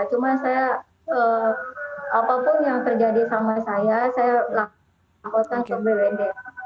cuma saya apapun yang terjadi sama saya saya lakukan sebagai wnd